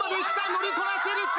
乗りこなせるか？